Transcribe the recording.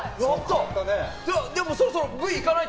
でも、そろそろ俺のＶいかないと。